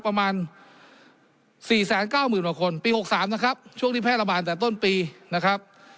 ประมาณ๔๙๐๐กว่าคนปี๖๓นะครับช่วงที่แพร่ระบาดแต่ต้นปีนะครับ